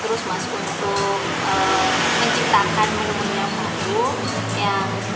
yang terubah rasa